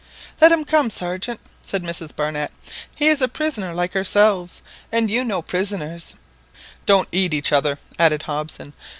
"Let him come, Sergeant," said Mrs Barnett, "he is a prisoner like ourselves, and you know prisoners"— "Don't eat each other," added Hobson.